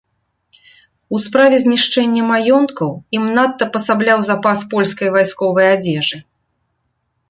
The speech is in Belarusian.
У справе знішчэння маёнткаў ім надта пасабляў запас польскае вайсковае адзежы.